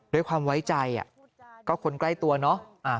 ด้วยความไว้ใจก็คนใกล้ตัวเนาะ